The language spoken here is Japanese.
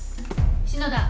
篠田。